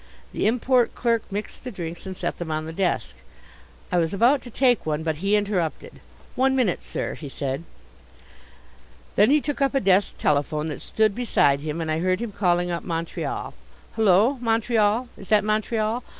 The Import Clerk mixed the drinks and set them on the desk. I was about to take one, but he interrupted. "One minute, sir," he said. Then he took up a desk telephone that stood beside him and I heard him calling up Montreal. "Hullo, Montreal! Is that Montreal?